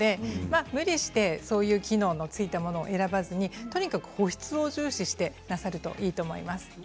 無理してそういう機能のついたものを選ばずに、とにかく保湿を重視してなさるといいと思います。